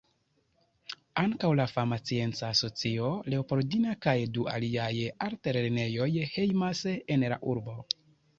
Ankaŭ la fama scienca asocio Leopoldina kaj du aliaj altlernejoj hejmas en la urbo.